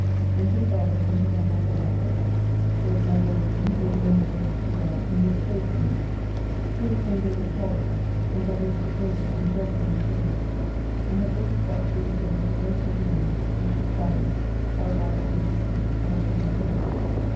Then to the barber's and put on my cravat there. So to my Lord again, who was almost ready to be gone and had staid for me. Hither came Gilb. Holland, and brought me a stick rapier and Shelston a sugar loaf, and had brought his wife who he said was a very pretty woman to the Ship tavern hard by for me to see but I could not go.